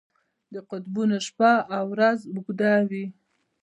د قطبونو شپه او ورځ اوږده وي.